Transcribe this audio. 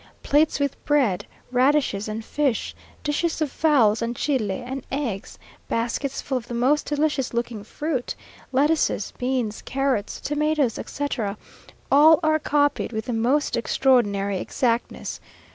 Plates with bread, radishes, and fish; dishes of fowls, and chile, and eggs; baskets full of the most delicious looking fruit; lettuces, beans, carrots, tomatoes, etc.; all are copied with the most extraordinary exactness.